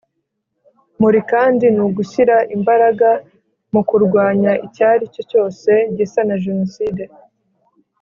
Muri kandi nugushyira imbaraga mu kurwanya icyari cyo cyose gisa na jenoside